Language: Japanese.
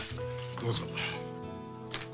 どうぞ。